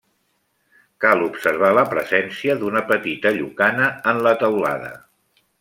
Cal observar la presència d'una petita llucana en la teulada.